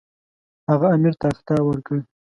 هغه امیر ته اخطار ورکړ.